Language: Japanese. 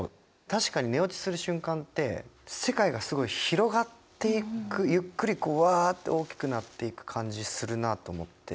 確かに寝落ちする瞬間って世界がすごい広がっていくゆっくりこうわあって大きくなっていく感じするなあと思って。